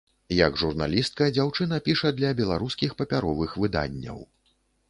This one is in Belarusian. Як журналістка дзяўчына піша для беларускіх папяровых выданняў.